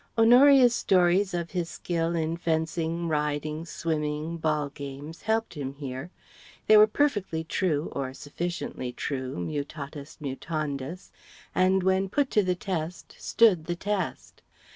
Honoria's stories of his skill in fencing, riding, swimming, ball games, helped him here. They were perfectly true or sufficiently true mutatis mutandis and when put to the test stood the test.